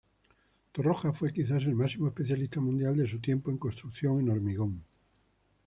Torroja fue quizá el máximo especialista mundial de su tiempo en construcción en hormigón.